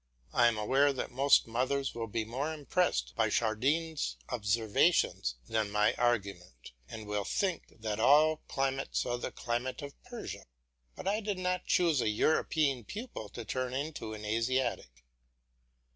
I am aware that most mothers will be more impressed by Chardin's observations than my arguments, and will think that all climates are the climate of Persia, but I did not choose a European pupil to turn him into an Asiatic.